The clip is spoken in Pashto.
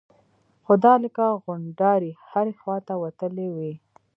خو دا لکه غونډارې هرې خوا ته وتلي وي.